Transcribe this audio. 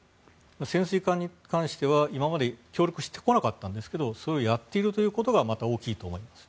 潜水艦に関しては、今まで協力してこなかったんですがそれをやっていることがまた大きいと思います。